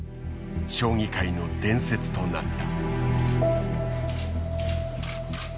将棋界の伝説となった。